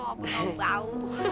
apa tau bau